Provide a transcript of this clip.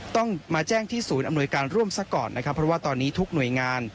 ต้องมาแจ้งที่ศูนย์อำนวยการร่วมซะก่อนนะครับเพราะว่าตอนนี้ทุกหน่วยงาน